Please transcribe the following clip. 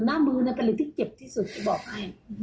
หน้ามือนี่เป็นเลยที่เจ็บที่สุดเดี๋ยวบอกให้